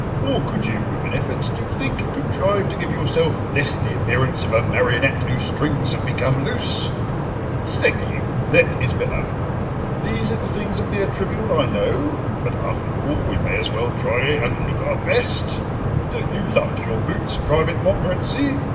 Or could you, with an effort, do you think, contrive to give yourself less the appearance of a marionette whose strings have become loose? Thank you, that is better. These little things appear trivial, I know, but, after all, we may as well try and look our best— "Don't you like your boots, Private Montmorency?